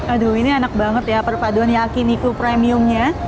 aduh ini enak banget ya perpaduan yakiniku premium nya